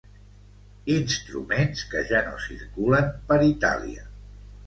Instruments que ja no circulen per Itàlia.